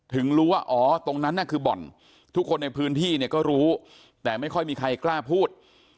ถึงรู้ว่าอ๋อตรงนั้นน่ะคือบ่อนทุกคนในพื้นที่เนี่ยก็รู้แต่ไม่ค่อยมีใครกล้าพูด